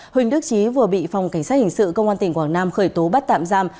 huỳnh đức trí vừa bị phòng cảnh sát hình sự công an tỉnh quảng nam khởi tố bắt tạm giam